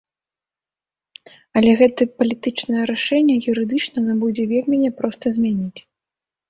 Але гэта палітычнае рашэнне юрыдычна нам будзе вельмі няпроста змяніць.